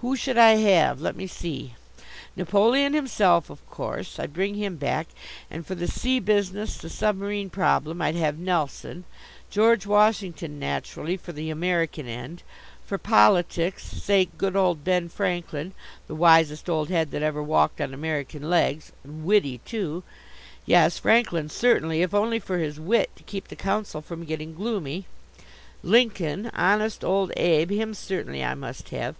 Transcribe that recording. Who should I have? Let me see! Napoleon himself, of course. I'd bring him back. And for the sea business, the submarine problem, I'd have Nelson. George Washington, naturally, for the American end; for politics, say, good old Ben Franklin, the wisest old head that ever walked on American legs, and witty too; yes, Franklin certainly, if only for his wit to keep the council from getting gloomy; Lincoln honest old Abe him certainly I must have.